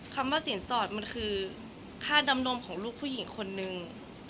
คำว่าสินสอดมันคือค่าดำนมของลูกผู้หญิงคนนึง